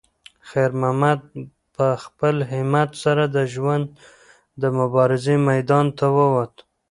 خیر محمد په خپل همت سره د ژوند د مبارزې میدان ته وووت.